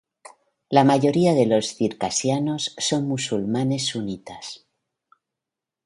La mayoría de los circasianos son musulmanes sunitas.